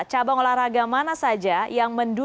cabang olahraga mana saja yang mendukung